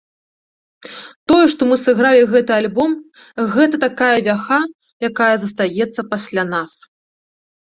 Тое, што мы сыгралі гэты альбом, гэта такая вяха, якая застаецца пасля нас.